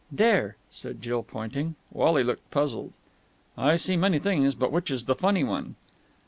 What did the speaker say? "There!" said Jill, pointing. Wally looked puzzled. "I see many things, but which is the funny one?"